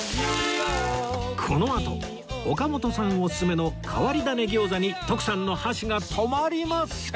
このあと岡本さんオススメの変わり種餃子に徳さんの箸が止まりません！